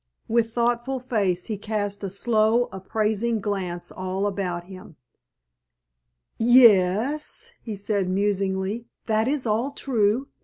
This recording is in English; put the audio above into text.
With thoughtful face he cast a slow appraising glance all about him. "Ye es," he said musingly, "that is all true.